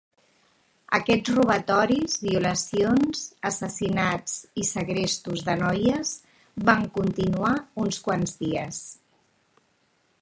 Aquests robatoris, violacions, assassinats i segrestos de noies van continuar uns quants dies.